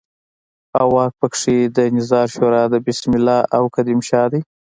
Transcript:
او واک په کې د نظار شورا د بسم الله او قدم شاه دی.